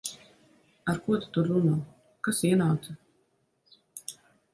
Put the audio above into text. Ar ko tu tur runā? Kas ienāca?